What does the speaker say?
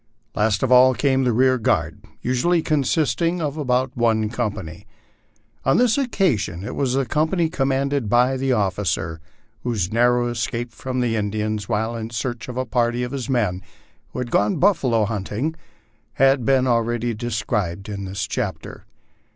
Last of all came the rear guard, usually consisting of about one company. On this occasion it was the company commanded by the officer whose narrow escape from the Indians while in search of a party of his men who had gone buffalo hunting, has been already described in this chapter.